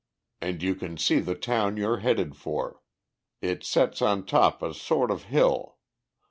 And you can see the town you're headed for; it sets on top a sort of hill.